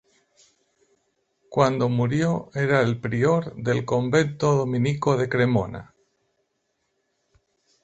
Cuando murió era el prior del convento dominico de Cremona.